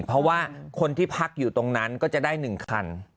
เพราะว่าคนที่พักอยู่ตรงนั้นก็จะได้๑คัน